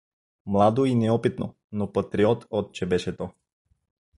Младо и неопитно, но патриот отче беше то.